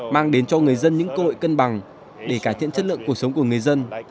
mang đến cho người dân những cơ hội cân bằng để cải thiện chất lượng cuộc sống của người dân